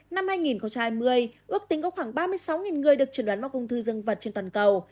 năm hai nghìn hai mươi ước tính có khoảng ba mươi sáu người được chuẩn đoán mắc ung thư dân vật trên toàn cầu